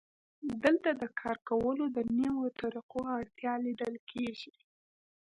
دلته د کار کولو د نویو طریقو اړتیا لیدل کېږي